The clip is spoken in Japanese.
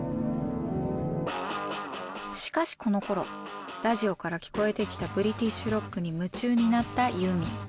しかしこのころラジオから聞こえてきたブリティッシュ・ロックに夢中になったユーミン。